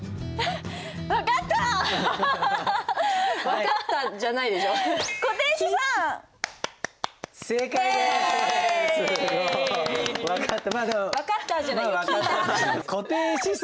「分かった」じゃないよ「聞いた」でしょ。